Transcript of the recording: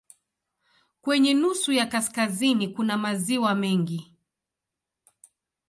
Kwenye nusu ya kaskazini kuna maziwa mengi.